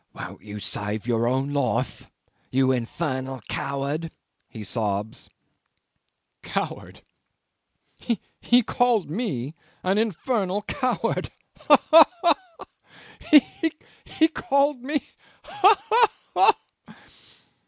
'Won't you save your own life you infernal coward?' he sobs. Coward! He called me an infernal coward! Ha! ha! ha! ha! He called me ha! ha! ha!